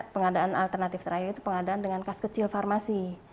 pengadaan alternatif terakhir itu pengadaan dengan kas kecil farmasi